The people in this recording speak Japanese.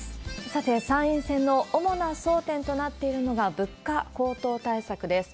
さて、参院選の主な争点となっているのが物価高騰対策です。